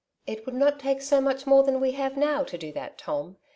'* It would not take so much more than we have now, to do that, Tom.